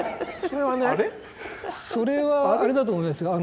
それはあれだと思います。